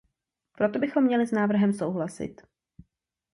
Proto bychom měli s návrhem souhlasit.